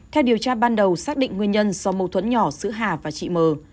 theo điều tra ban đầu xác định nguyên nhân do mâu thuẫn nhỏ giữa hà và chị m